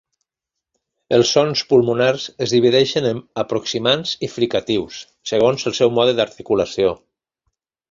Els sons pulmonars es divideixen en aproximants i fricatius, segons el seu mode d'articulació.